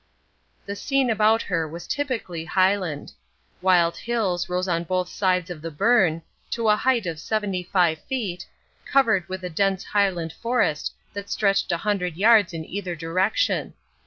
The scene about her was typically Highland. Wild hills rose on both sides of the burn to a height of seventy five feet, covered with a dense Highland forest that stretched a hundred yards in either direction.